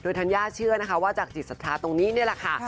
ธัญญาเชื่อนะคะว่าจากจิตศรัทธาตรงนี้นี่แหละค่ะ